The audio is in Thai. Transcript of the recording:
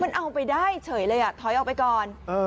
มันเอาไปได้เฉยเลยอ่ะถอยออกไปก่อน